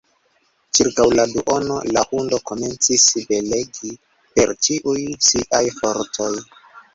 Ĉirkaŭ la duono, la hundo komencis blekegi per ĉiuj siaj fortoj.